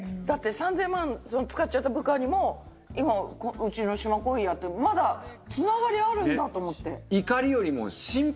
だって３，０００万使っちゃった部下にも今うちの島こいやってまだつながりあるんだと思って。